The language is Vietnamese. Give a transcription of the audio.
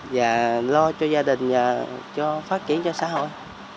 và lo cho gia đình cho phát triển cho xã hội